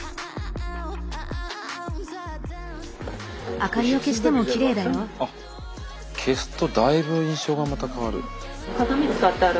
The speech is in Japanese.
あっ消すとだいぶ印象がまた変わる。